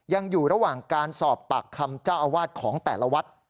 ยังอยู่ระหว่างการสอบปากคำเจ้าอาวาสของแต่ละวัด